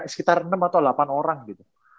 sekitar enam atau delapan orang gitu